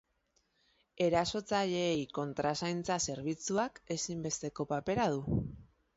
Erasotzaileei kontrazaintza zerbitzuak ezinbesteko papera du.